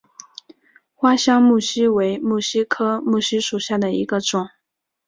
香花木犀为木犀科木犀属下的一个种。